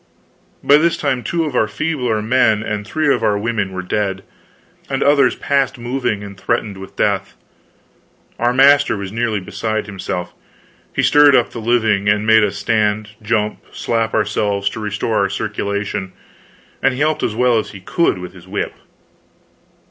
By this time two of our feebler men and three of our women were dead, and others past moving and threatened with death. Our master was nearly beside himself. He stirred up the living, and made us stand, jump, slap ourselves, to restore our circulation, and he helped as well as he could with his whip.